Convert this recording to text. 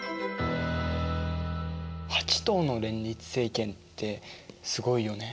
８党の連立政権ってすごいよね。